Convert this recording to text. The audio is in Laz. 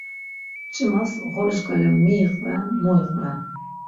Mç̆imas oxoriş gale mi iqven, mu iqven?